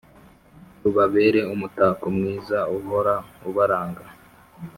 Rubabere umutako mwiza uhora ubaranga